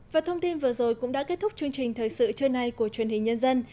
và thông tin vừa rồi cũng đã kết thúc chương trình thời sự trưa nay của truyền hình nhân dân